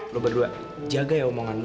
lo berdua jaga ya omongan